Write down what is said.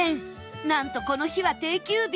なんとこの日は定休日